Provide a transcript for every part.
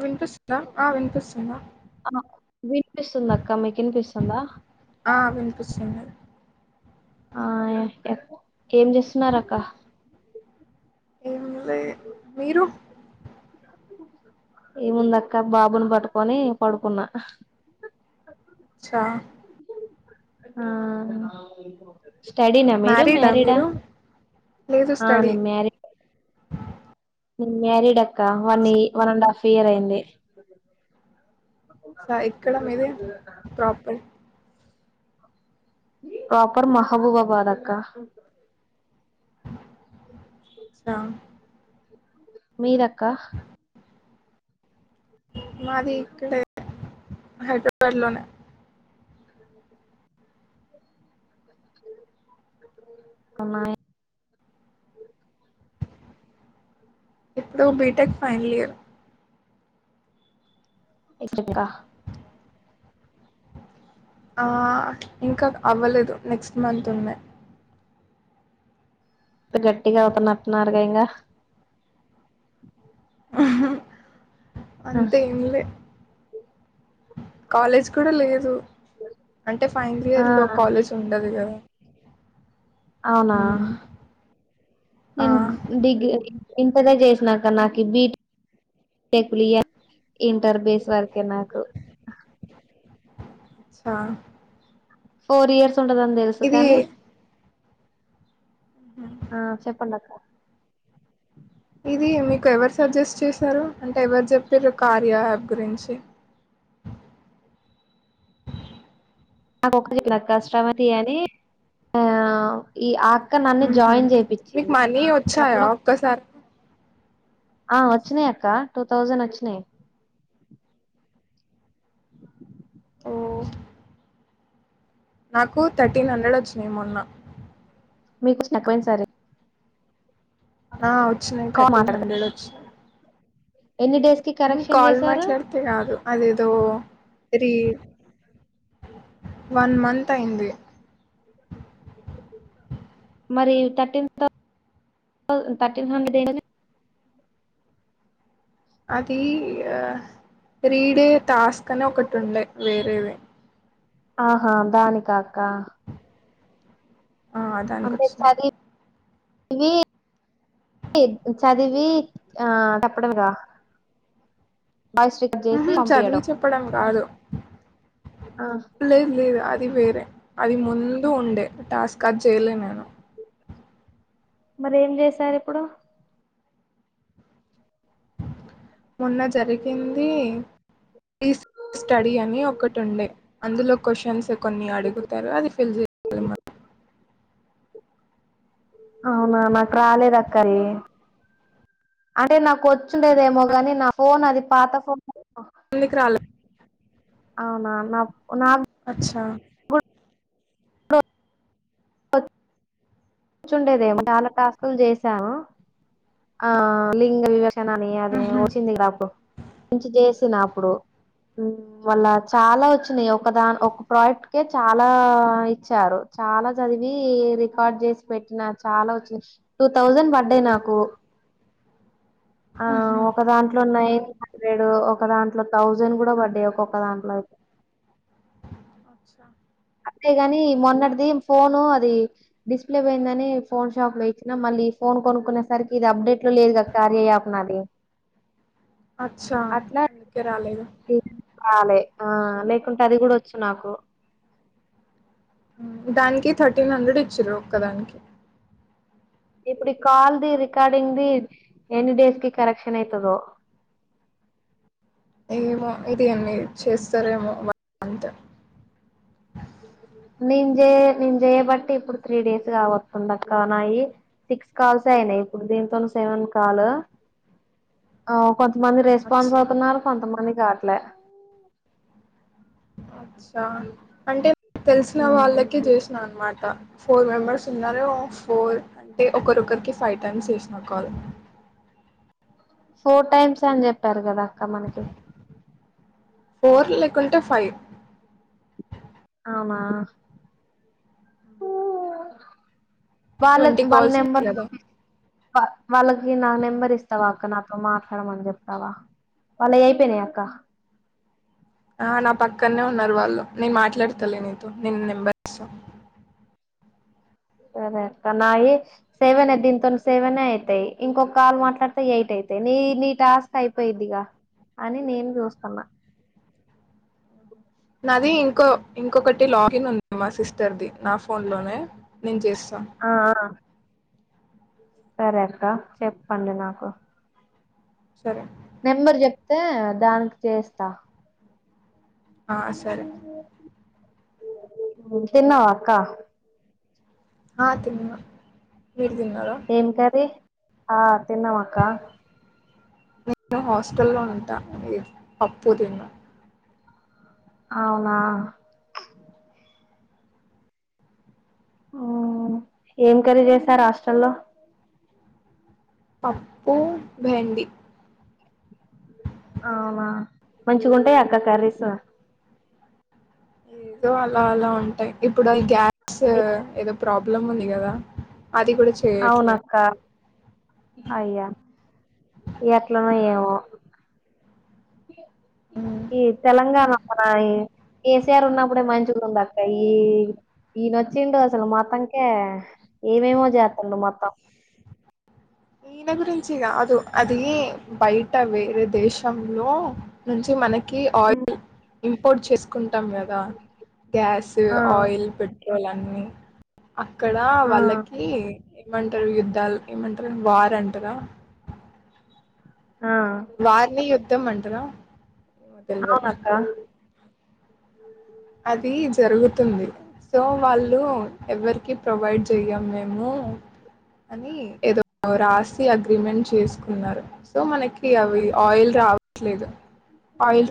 వింంటస్త వినిపిస్తుందా అ వీట్ పీస్ ఉందా అక్క మికన్ పీస్ ఉందా ఆ వినిపిస్తుంది ఆ ఏం చేస్తున్నారు అక్క ఏమి మీరు ఈ ముందక్క బాబుని పట్టుకొని పడుకున్నా చ్చ ఆ స్టడ నా మీరు మ్యారీడా మ్యారిడా మీరు లేదు స్టడీ మ్య నర డా కా వనే వన్ అండ్ హాఫ్ ఫియర్ అయింది సరె ఎక్కడ మీది ప్రాపర్? ప్రాపర్ మహబూబాబాదక్క. స మీరక్కా మాది ఇక్కడే హైదరాబాద్ లోనే కున్నాయి ఇప్పుడు బీటెక్ ఫైనల్ ఇయర్ [inaudible] కా ఆ ఇంక అవ్వలేదు నెక్స్ట్ మంత్ ఉన్నాయి ఇప్పుడు గట్టిగా అవుతున్నట్టున్నారుగా ఇంగా అంతే ఏంలే కాలేజ్ కూడా లేదు అంటే ఆ ఫైన్లియర్ లో కాలేజ్ ఉండదు కదా. అవునా మ్మ్. ఆ నేను డిగ్రీ ఇంటరే చేసినాక్క నాకి బీ టెక్ లు ఇయ ఇంటర్ బేస్ వరకే నాకు. చా ఫోర్ ఇయర్స్ ఉంటదని తెలుసు కానీ ఆ చెప్పండి అక్క ఇదీ మీకు ఎవరు సజెస్ట్ చేశారు అంటే ఎవరు చెప్పిర్రు కార్యా యాప్ గురించి? నాకు ఒక [inaudible] కస్టమర్ ది అని ఆ ఈ ఆ నన్ను హ్మ్ హు జాయిన్ మీకు చేపిచ్చింది మనీ వచ్చాయా అప్పుడు ఒక్కసారి ఆ వచ్చినయి అక్కా టూ తౌసండ్ వచ్చినై ఓ నాకు థర్టీన్ హండ్రెడ్ వచ్చినయి మొన్న. మీకు [inaudible] పోయిన్సారి ఆ వచ్చినయి కాల్ థర్టీన్ మాట్లాడత హండ్రెడ్ వచ్చినయి ఎన్ని డేస్ కి మ్ కరెక్షన్ కాల్ చేశారు మాట్లాడితే కాదు అదేదో అదీ వన్ మంత్ అయింది. మరి థర్టీన్ థర్టీన్ హండ్రెడ్ ఏ కదా అది రీడే టాస్క్ అని ఒకటి ఉండె వేరేవి. దానిక అక్క ఆ దానికి అంటే వచ్చినాయి చదివి చదివి ఆ తప్పుడు గా ఉహు చదివి చెప్పడం కాదు. ఆ లేదు లేదు అది అది వేరే అది ముందు ఉండే టాస్క చేయలే నేను. మరి ఏం చేశారు అప్పుడు మొన్న జరిగింది రీస స్టడీ అని ఒకటి ఉండే అందులో క్వశ్చన్స్ కొన్ని అడుగుతారు. అది ఫిల్ చేయాలి మనం అవునా నాకు రాలేదు అక్క. అది అంటే నాకు వచ్చిండేదేమో గాని నా ఫోన్ అది పాత ఫోన్ ఎందుకు రాలేదు అవునా నా నా అచ్చ పచ్చ కూర్చుండేదేమో చాలా టాస్కులు చేసాము. ఆ లింగ వివ ణ అని అది ఉహు వచ్చిందికు కొ చ్చప్పుడు మళ్ళ చాలా వచ్చినాయి. ఒక దా ఒక ప్రాజెక్ట్కే చాలా ఇచ్చారు. చాలా చదివి రికార్డ్ చేసి పెట్టినా చాలా వచ్చింది. టూ థౌజండ్ పడ్డాయి నాకు ఆ ఉహు ఒక దాంట్లో ఉన్నాయి. హండ్రెడ్ ఒక దాంట్లో థౌజండ్ కూడా పడ్డాయి. ఒక్కొక్క దాంట్లో అయితే అచ్చా అంతేగాని మొన్నటిది ఫోను అది డిస్ప్లే పోయిందని ఫోన్ షాప్ లో ఇచ్చినాం. మళ్ళీ ఫోన్ కొనుక్కునేసరికి ఇది అప్డేట్ లో లేదు కద కార్య యాప్ నాది. అచ్చా అట్లా అందుకే రాలేదు. ఇది రాలే ఆ లేకుంటే అది కూడా వచ్చు నాకు దానికి థర్టీన్ హండ్రెడ్ ఇచ్చిరు కదా ఇప్పుడు కాల్ ది రికార్డింగ్ ది ఎన్ని డేస్ కి కరెక్షన్ అయితదో ఏమో ఇది అన్ని చేస్తారేమో అంతే నేను నేను చేయ బట్టి ఇప్పుడు త్రీ డేస్ కాబతుంది అక్క నాయి సిక్స్ కాల్స్ అయినాయి. ఇప్పుడు దీంతో సెవెన్ కాల్ కొంతమంది రెస్పాన్స్ అచ్చా అవుతున్నారు. కొంతమంది కాట్ల అ అంటే తెలిసిన వాళ్ళకే చేసిన అనమాట ఫోర్ మెంబర్స్ ఉన్నార ఫోర్ అంటే ఒకరుకరికి ఫైవ్ టైమ్స్ చేసిన కాల్ ఫోర్ టైమ్స్ అని చెప్పారు. కదా అక్క మనకి ఫోర్ లేకుంటే ఫైవ్ ఆనా ఓ వాళ్ళ ట్వంటీ వాళ్ళ కాల్స్ నెంబర్ ఉన్నాయి కదా బ వాళ్ళకి నాకు నెంబర్ ఇస్తావా అక్క నా మాట్లాడమని చెప్తావా వాళ్ళవి అయిపోయినాయి అక్క ఆ నా పక్కనే ఉన్నారు వాళ్ళు నీను మాట్లాడతలే నీతో నేను నెంబర్ సరే అక్క నాయి సెవెన్ దీంతో సెవెన్ అయితాయి ఇంకొక కాల్ మాట్లాడితే ఎయిట్ అయితాయి నీ నీ టాస్క్ అయిపోయిద్దిగా అని నేను చూస్తున్నా నాది ఇంకో ఇంకొకటి లాగిన్ ఉంది మా సిస్టర్ది నా ఫోన్ లోనే నేను చేస్తా ఆ సరే అక్క చెక్ పండి నాకు సరే నెంబర్ చెప్తే దానికి చేస్తా ఆ సరే తిన్నవా అక్క ఆ తిన ఏం కరి ఆ తిన్నమా అక్క నేను హాస్ట లో ఉంటా మీ అప్పు తిన్న అవునా ఏం క్రీ చేసారు హష్టట్రల్లో పప్పుూ భెడి అవునా మంచిగా ఉంటాయి అక్క కర్రీస్ ఏదో అలా అలా ఉంటాయి ఇప్పుడు గ్యాస్ ఏదో ప్రబ్ పలమ్ ఉంది కదా అది కూడా చేయట్లేదు అవునక్క అయ్యా ఏకలనా ఏవ ఈ తెలంగాణ మన కేసీఆర్ ఉన్నప్పుడే మంచితుంది అక్క ఈ ఈయనొచ్చిడు అసలు మొతంకే ఏమేమో చేస్తం మొత్తం ఈయన గురించిగా అదు అదిే బయట వే దేశంలో నుంచి మనకి క ఆయిల్ ఇంపోర్ట్ చేసుకుంటాం కదా గ్యాస్ ఆ ఆయిల్ పెట్ పోలాని అక్కడ ఆ వాళ్ళకి ఇమంటారు యుద్ధాలు ఏమంటారు అక్క వార అంటుారా ఆ వారిని యుద్ధ ఉత్తమంటరా మత్తం బర్ అవునక్క అది జరుగుతుంది సో వాళ్ళు ఎవరికి ప్రొవైడ్ చెయ్యం మేము అని ఏదో రాసి అగ్రిమెంట్ చేసుకున్నారు సో మనకి అవి ఆయిల్ రావట్లేదు ఆయిల్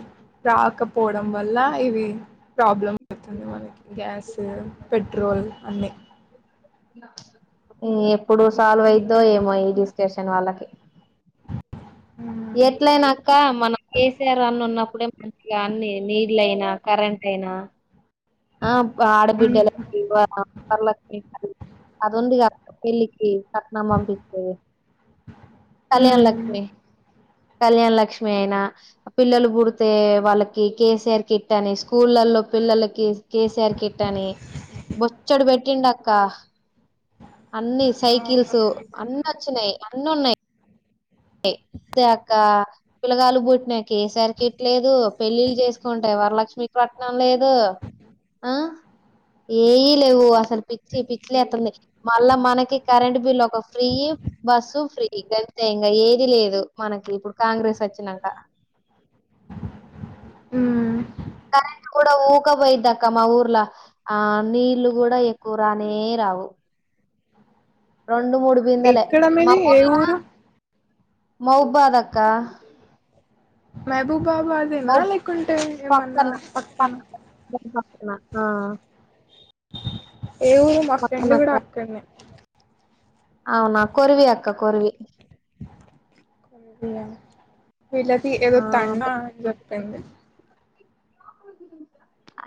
రాకపోవడం వల్ల ఇవి ప్రాబ్లమ్ అతుంది మనకి గ్యాస్ పెట్రోల్ అన్నీ ఎప్పుడు సాల్వ్ అయిద్దో ఏమో డిస్కషన్ వాళ్ళకి మ్మ్. ఎట్లయినాక మనం కేసీఆర్ అన్నున్నప్పుడే మంచిగా అన్ని నీళ్లయినా కరెంట్ అయినా ఆ ఆడ బిడ్డెలకి [unintelligible] అదుందిగా పెళ్లికి కట్నం పంపిచ్చేది కళ్యాణ మ్మ్. లక్ష్మి కళ్యాణ లక్ష్మి అయినా పిల్లలు పుడితే వాళ్ళకి కేసీఆర్ కిట్ అని స్కూళ్ళలో పిల్లలకి కేసీఆర్ కిట్టని బొచ్చడు పెట్టిండక్క అన్నీ సైకిల్స్ అన్నొచ్చినయి అన్నున్నయి అదే అక్క పిలగాల్లు పుట్టినా కే సి ఆర్ కిట్ లేదు పెళ్ళిళ్ళు చేసుకుంటే వరలక్ష్మి పట్టనం లేదు ఆ ఏఈ లేవు అసలు పిచ్చి పిచ్చిలేత్తుంది మళ్ళా మనకి కరెంట్ బిల్ ఒక ఫ్రీ బస్సు ఫ్రీ గ ఏది లేదు మనకి ఇప్పుడు కాంగ్రెస్ వచ్చినాక కరెంట్ కూడా ఊక పోయిద్దాక్క మా ఊర్లా ఆ నీళ్లు కూడా ఎక్కువ రానే రావు రెండు మూడు బిందెలే ఎక్కడ మా మీది ఏ ఊర్ల ఊరు మౌబాద్ అక్క మెహబూబ్ బాబాదేనా మౌ లేకుంటే ఏమన్నా పక్కన న ఆ ఏ ఊరు మా ఫ్రెండ్ కూడా పక్కనక్క అక్కడనే అవునా కొరువి అక్క కొరువి [unintelligible] వీళ్ళది ఏదో ఆ తండ అన్ [unintelligible] టెంది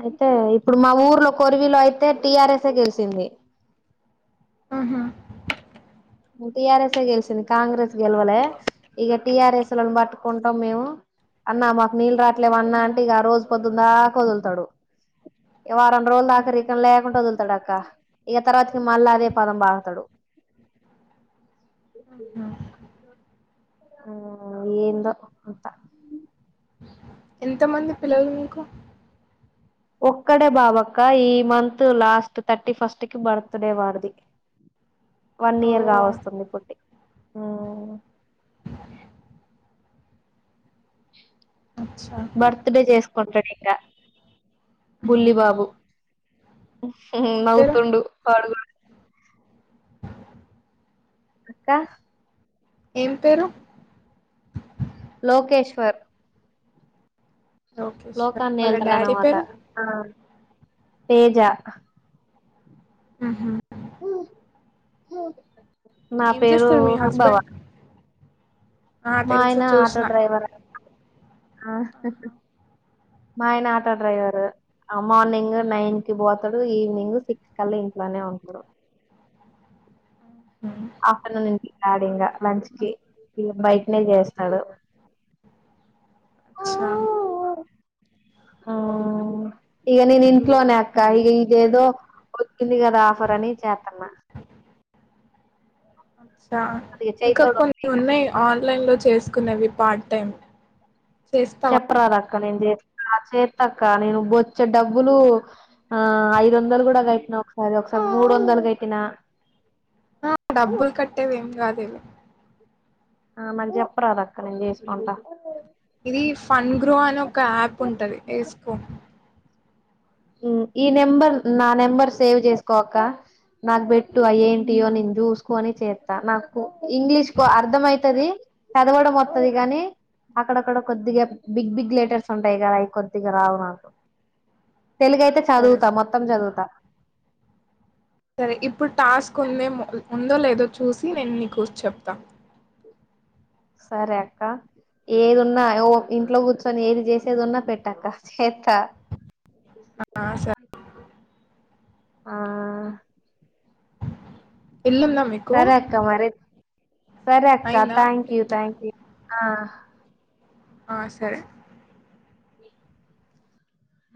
అయితే ఇప్పుడు మా ఊర్లో కొరివిలో అయితే టి ఆర్ ఎస్ ఏ గెలిసింది ఆహా టీ ఆర్ ఎస్ ఏ గెలిచింది కాంగ్రెస్ గెలవలే ఇక టీ ఆర్ ఎస్ లను పట్టుకుంటాం మేము అన్నా మాకు నీళ్ళు రాట్లేమన్నా అంటే ఇక రోజు పొద్దుందాకొదులుతాడు వారం రోజులు దాకరికలు లేకుండా వదులుతాడు అక్క ఇక తర్వాతకి మళ్ళా అదే పదం బడతాడు ఆహా ఆ ఏందో అంతా ఎంతమంది పిల్లలు నీకు ఒక్కడే బాబక్క ఈ మంత్ లాస్ట్ థర్టీ ఫస్ట్ కి బర్త్ డే వాడిది వన్ ఇయర్ ఓహ్! గావస్తుంది పుట్టి అచ్చా! బర్త్ డే చేస్ కొంటడిక బుల్లి బాబు ఏం పేరు? నౌతుండు పడుకోలే. అక్క ఏం పేరు. లోకేశ్వర్. లోకేశ్వర్. లోకాన్ని వాళ్ళ డాడీ ఏళ్తాడనమాట పేరు. తేజ. ఉహు హ నా ఏం పేరూ చేస్తారు మీ హస్బెండ్? భవాని. ఆ! మా తెలుసు ఆయన ఆటో చూసినా. డ్రైవర్. ఆహా! మా ఆయన ఆటో డ్రైవర. మార్నింగ్ నైన్ కి పోతడు ఈవినింగ్ సిక్స్ కల్ల ఇంట్లోనే ఉంటడు. హ్మ్. ఆఫ్టర్నూన్ ఇంటికి రాడు ఇంగ లంచ్ కీ, ఇగ బయటనే చేస్తడు. అచ్చా ఆ ఇగ నేన్ ఇంట్లోనే అక్క, ఇగ ఇదేదో ఉంది కదా ఆఫర్ అనీ చేతున్న. చ్చా అది ఇంక చేయితోడు ఉంటే కొన్ని ఇగ ఉన్నయి. ఆన్లైన్ లో చేసుకునేవి పార్ట్ టైం. చెప్పరాదక్క నేన్ చేస్ ఆ చేత్తక్క. నేను బొచ్చెడ్ డబ్బులూ, ఆ ఐదు ఒందలు గూడ కట్టిన ఒకసారి, ఒకసారి మూడు ఒందలు కట్టినా. ఆ డబ్బుల్ కట్టేవి యేం గాదు. దులే ఆ మంచిగ ఇదీ ఫన్ గ్రో అనే ఒక యాప్ ఉంటది. ఏసుకో ఊ ఈ నెంబర్ నా నెంబర్ సేవ్ చేస్కో అక్క. నాకు పెట్టు అయ్ ఏంటియో నేన్ చూసుకొని చేత్తా నాకు. ఇంగ్లీష్ కొ అర్ధం అయితది. చదవడం వత్తది గానీ, అక్కడక్కడ కొద్దిగ బిగ్ బిగ్ లెటర్స్ ఉంటయి కదా. అవి కొద్దిగ రావు నాకు. ఆ! తెలుగు అయితే సరే. చదువుతా మొత్తం చదువుతా. సరె ఇప్పుడ్ టాస్క్ ఉందేమో. ఉందో లేదో చూసి నేన్ నీకు చెప్తా. సరే అక్క. ఏదున్నా ఇంట్లో కూర్చొని ఏది చేసేది ఉన్నా పెట్టక్క చేస్త. ఆ! సరే. ఆ ఇల్లుందా మీకూ. సరే అక్క మరి సరే అక్క. Thank you, thank you. ఆ ఆ సరే ఆ